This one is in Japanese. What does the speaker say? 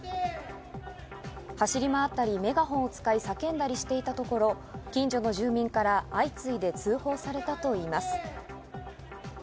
走り回ったりメガホンを使い叫んだりしていたところ、近所の住民から相次いで通報されたといいます。